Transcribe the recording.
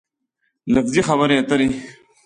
لفظي خبرې اترې